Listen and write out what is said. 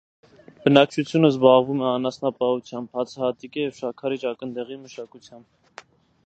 Բնակչությունն զբաղվում է անասնապահությամբ, հացահատիկի և շաքարի ճակնդեղի մշակությամբ։